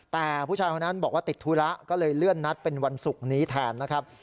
แต่ผู้ชายคนนั้นบอกว่าติดธุระก็เลยเลื่อนนัดเป็นวันศุกร์นี้แทนนะครับ